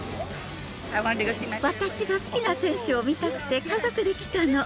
私が好きな選手を見たくて家族で来たの。